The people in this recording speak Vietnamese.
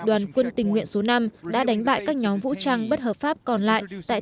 đoàn quân tình nguyện số năm đã đánh bại các nhóm vũ trang bất hợp pháp còn lại tại